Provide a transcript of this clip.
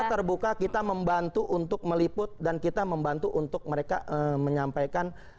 terbuka kita membantu untuk meliput dan kita membantu untuk mereka menyampaikan